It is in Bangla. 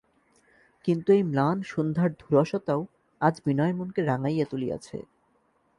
কিন্তু এই ম্লান সন্ধ্যার ধূরসতাও আজ বিনয়ের মনকে রাঙাইয়া তুলিয়াছে।